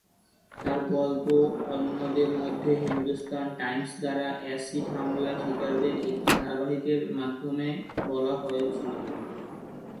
তার গল্প, অন্যদের মধ্যে, হিন্দুস্তান টাইমস দ্বারা অ্যাসিড হামলায় শিকারদের একটি ধারাবাহিকের মাধ্যমে বলা হয়েছিল।